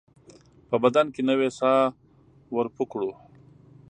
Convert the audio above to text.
په بدن کې نوې ساه ورپو کړو